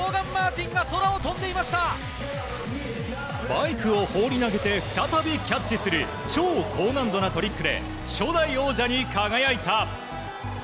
バイクを放り投げて再びキャッチする超高難度なトリックで初代王者に輝いた。